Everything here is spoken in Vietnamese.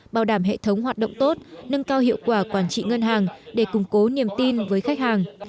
bảo đảm hệ thống hoạt động tốt nâng cao hiệu quả quản trị ngân hàng để củng cố niềm tin với khách hàng